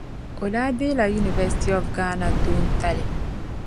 O daa deei la University of Ghana toon tali.